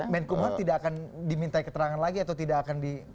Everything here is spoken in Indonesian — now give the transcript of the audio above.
menkumham tidak akan diminta keterangan lagi atau tidak akan di